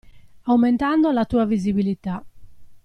Aumentando la tua visibilità.